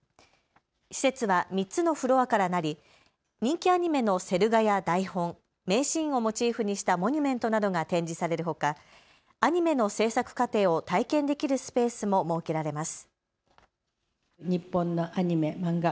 施設は３つのフロアからなり人気アニメのセル画や台本、名シーンをモチーフにしたモニュメントなどが展示されるほか、アニメの制作過程を体験できるスペースも設けられます。